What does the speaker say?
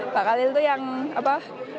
pak khalil itu yang apa